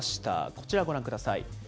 こちらご覧ください。